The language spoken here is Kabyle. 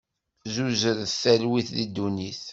Zzuzret talwit di ddunit!